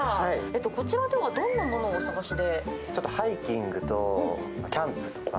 こちらではどんなものをお探しで？